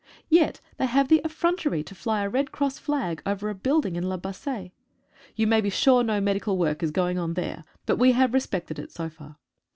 Yet they have the affronter} to fly a red cross flag over a building in La Bassee. You may be sure no medical work is going on there, but we have respected it so far.